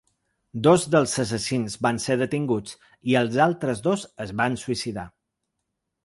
Dos dels assassins van ser detinguts i els altres dos es van suïcidar.